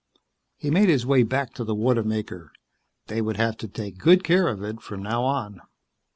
He made his way back to the water maker. They would have to take good care of it from now on.